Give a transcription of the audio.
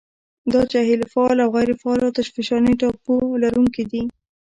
دا جهیل فعالو او غیرو فعالو اتشفشاني ټاپو لرونکي دي.